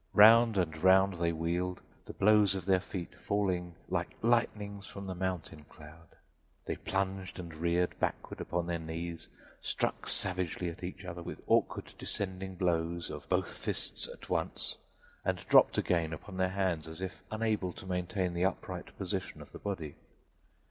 Round and round they wheeled, the blows of their feet falling "like lightnings from the mountain cloud." They plunged and reared backward upon their knees, struck savagely at each other with awkward descending blows of both fists at once, and dropped again upon their hands as if unable to maintain the upright position of the body.